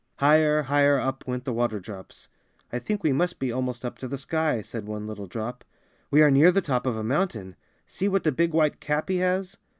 Higher, higher up went the water drops. "I think we must be almost up to the sky," said one little drop. ''We are near the top of a mountain. See what a big white cap he has!"